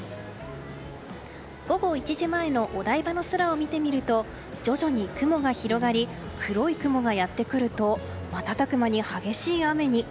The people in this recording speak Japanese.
午後１時前のお台場の空を見てみると徐々に雲が広がり黒い雲がやってくると瞬く間に激しい雨に。